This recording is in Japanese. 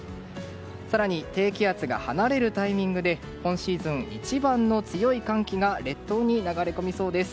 更に、低気圧が離れるタイミングで、今シーズン一番の強い寒気が列島に流れ込みそうです。